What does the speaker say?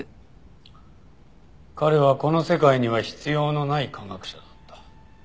彼はこの世界には必要のない科学者だった。